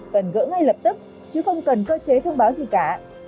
cần gỡ ngay lập tức chứ không cần cơ chế thông báo gì cả